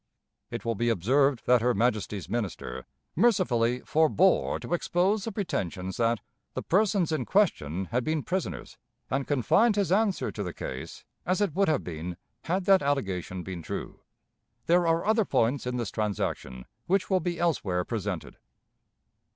It will be observed that her Majesty's Minister mercifully forbore to expose the pretensions that "the persons in question" had been prisoners, and confined his answer to the case as it would have been had that allegation been true. There are other points in this transaction which will be elsewhere presented.